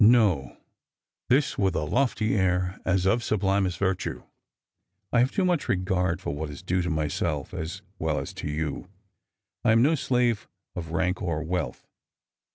No,'' this with a lofty air, as of sublimest virtue, " I have too much regard for what is duo to myself, as well as to you. I am no Blave of rank or wealth.